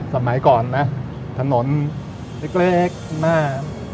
สมัยก่อนถนนเล็กมา